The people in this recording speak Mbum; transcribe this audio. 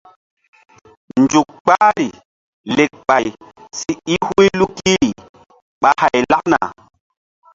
Nzuk kpahri lekɓay si i huy lukiri ɓa hay lakna.